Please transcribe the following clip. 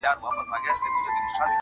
راتلو کي به معیوبه زموږ ټوله جامعه وي،